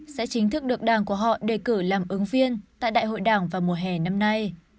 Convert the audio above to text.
sẽ chính thức được đảng của họ đề cử làm ứng viên tại đại hội đảng vào mùa hè năm nay